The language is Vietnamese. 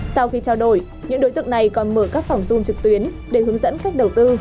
sau khi trao đổi những đối tượng này còn mở các phòng dung trực tuyến để hướng dẫn cách đầu tư